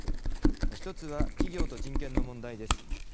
一つは、企業と人権の問題です。